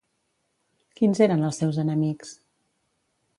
Quins eren els seus enemics?